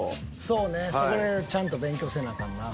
そうねそれちゃんと勉強せなあかんな。